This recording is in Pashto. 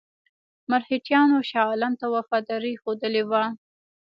مرهټیانو شاه عالم ته وفاداري ښودلې وه.